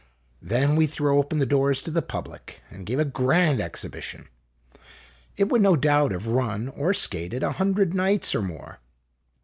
Then we threw open the doors to the public, and gave a grand exhibition. It would no doubt have run (or skated) a hundred nights or more.